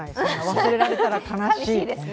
忘れられたら悲しい。